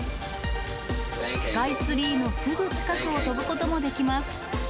スカイツリーのすぐ近くを飛ぶこともできます。